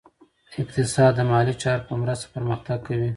اقتصاد د مالي چارو په مرسته پرمختګ کوي.